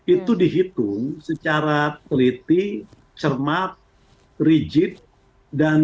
itu dihitung secara teliti cermat rigid dan